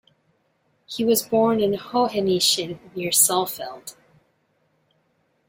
He was born in Hoheneiche near Saalfeld.